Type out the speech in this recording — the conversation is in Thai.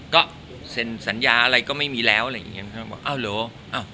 ก็เซ็นสัญญาอะไรก็ไม่มีแล้วอะไรอย่างนี้บอกอ้าวเหรอ